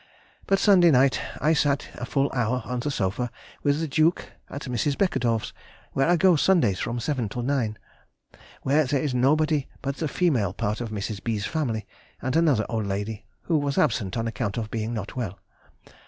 But Sunday night I sat a full hour on the sofa with the Duke at Mrs. Beckedorff's, where I go Sundays from seven to nine, where there is nobody but the female part of Mrs. B.'s family, and another old lady, who was absent on account of being not well.